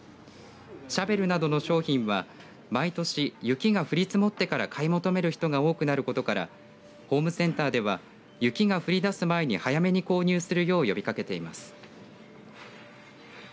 シャベルなどの商品は毎年雪が降り積もってから買い求める人が多くなることからホームセンターでは雪が降り出す前に早めに購入するよう呼びかけています。